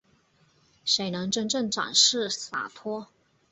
谁能真正展现洒脱